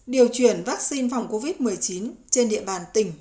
điều chuyển vaccine phòng covid một mươi chín trên địa bàn tỉnh